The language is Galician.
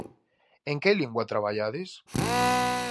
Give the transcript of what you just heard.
En que linguas traballades?